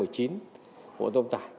của tông tài